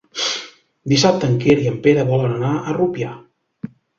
Dissabte en Quer i en Pere volen anar a Rupià.